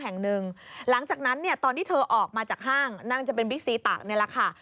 หลังจากนั้นตอนที่เธอออกมาจากห้างนั่งจะเป็นบิ๊กซีตะนี่แหละค่ะ